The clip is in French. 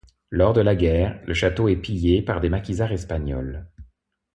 Lors de la guerre, le château est pillé par des maquisards espagnols.